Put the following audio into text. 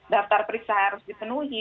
daftar periksa harus dipenuhi